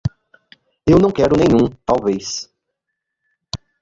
Eu não quero nenhum talvez.